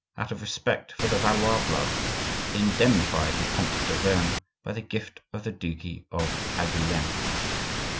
out of respect for the Valois blood, indemnified the Comte d'Auvergne by the gift of the duchy of Angouleme.